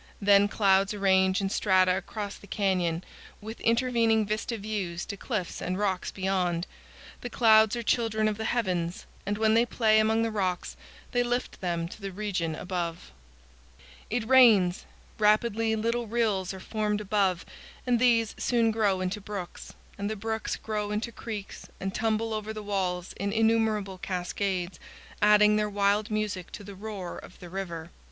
Then clouds arrange in strata across the canyon, with intervening vista views to cliffs and rocks beyond. The clouds are children of the heavens, and when they play among the rocks they lift them to the region above. 256 It rains! Rapidly little rills are formed above, and these soon grow into brooks, and the brooks grow into creeks and tumble over the walls in innumerable cascades, adding their wild music to the roar of the river.